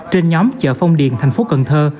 trên nhóm chợ phong điền thành phố cần thơ